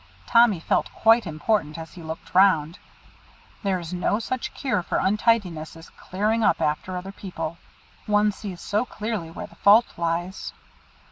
Tommy felt quite important as he looked round. There is no such cure for untidiness as clearing up after other people; one sees so clearly where the fault lies.